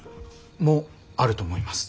もあると思います。